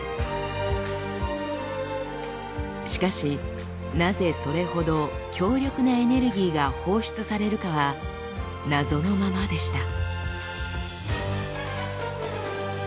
しかしなぜそれほど強力なエネルギーが放出されるかは謎のままでした。